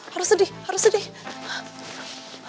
harus sedih harus sedih